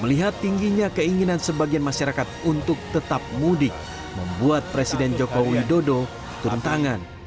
melihat tingginya keinginan sebagian masyarakat untuk tetap mudik membuat presiden joko widodo turun tangan